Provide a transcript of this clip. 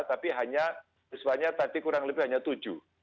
tapi hanya siswanya tadi kurang lebih hanya tujuh